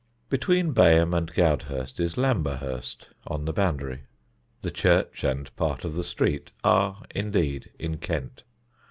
Between Bayham and Goudhurst is Lamberhurst, on the boundary. (The church and part of the street are indeed in Kent.)